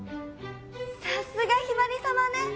さすがひばりさまね。